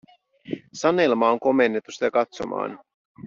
Sanelma on komennettu sitä katsomaan.